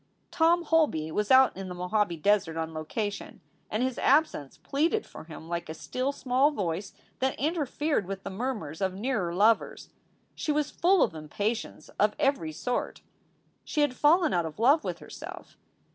Tom Holby was out in the Mojave Desert on location, and his absence pleaded for him like a still, small voice that interfered with the murmurs of nearer lovers. She was full of impatiences of every sort. She had fallen out of love with herself.